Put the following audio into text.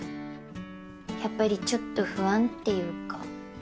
やっぱりちょっと不安っていうか。